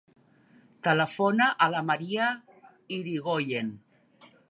Telefona a la Maria Irigoyen.